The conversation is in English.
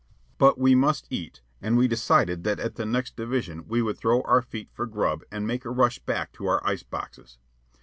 But we must eat, and we decided that at the next division we would throw our feet for grub and make a rush back to our ice boxes.